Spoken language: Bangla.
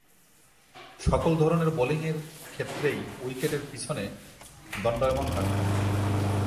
সকল ধরনের বোলিংয়ের ক্ষেত্রেই উইকেটের পিছনে দণ্ডায়মান থাকতেন।